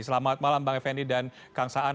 selamat malam bang effendi dan kang saan